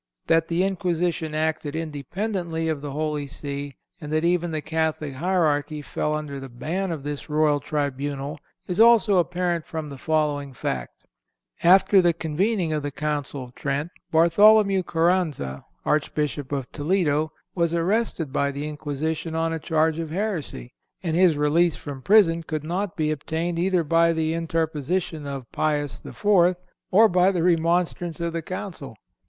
(321) That the Inquisition acted independently of the Holy See, and that even the Catholic hierarchy fell under the ban of this royal tribunal, is also apparent from the following fact: After the convening of the Council of Trent, Bartholomew Caranza, Archbishop of Toledo, was arrested by the Inquisition on a charge of heresy, and his release from prison could not be obtained either by the interposition of Pius IV. or the remonstrance of the Council.